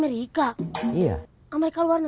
mariddensu bisa cari orang mahal zakit